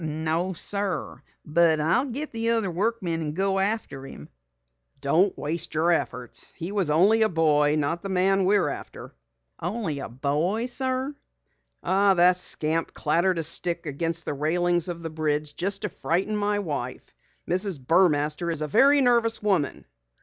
"No, sir. But I'll get the other workmen and go after him." "Don't waste your efforts. He was only a boy not the man we're after." "Only a boy, sir?" "The scamp clattered a stick against the railing of the bridge just to frighten my wife. Mrs. Burmaster is a very nervous woman."